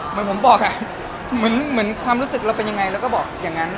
เหมือนผมบอกเหมือนความรู้สึกเราเป็นยังไงเราก็บอกอย่างนั้น